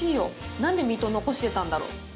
なんで水戸、残してたんだろう。